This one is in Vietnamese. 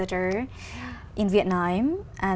trong vài phần